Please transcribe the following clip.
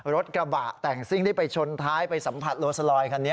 รถกระบะแต่งซิ่งที่ไปชนท้ายไปสัมผัสโลซาลอยคันนี้